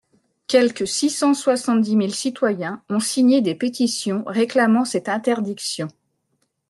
Quelque six cent soixante-dix mille citoyens ont signé des pétitions réclamant cette interdiction.